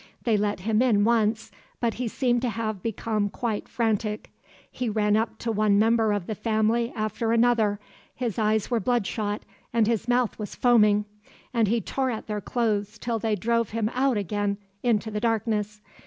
They let him in once, but he seemed to have become quite frantic. He ran up to one member of the family after another; his eyes were bloodshot and his mouth was foaming, and he tore at their clothes till they drove him out again into the darkness.